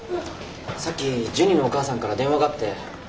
さっきジュニのお母さんから電話があって。